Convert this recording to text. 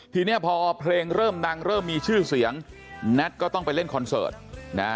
ทีนี้พอเพลงเริ่มดังเริ่มมีชื่อเสียงแน็ตก็ต้องไปเล่นคอนเสิร์ตนะฮะ